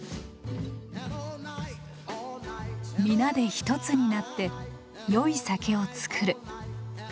「皆で一つになって良い酒を造る」。